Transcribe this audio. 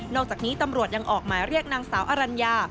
อกจากนี้ตำรวจยังออกหมายเรียกนางสาวอรัญญา